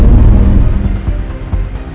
masuk ke dalam